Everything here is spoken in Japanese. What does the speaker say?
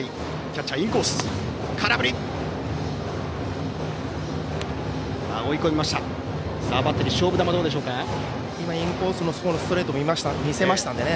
今、インコースのストレートも見せましたのでね。